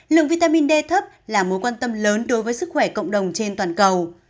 lượng vitamin d thấp là mối quan tâm lớn đối với sức khỏe cộng đồng trên toàn cầu